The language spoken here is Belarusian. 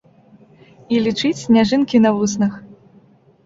І лічыць сняжынкі на вуснах.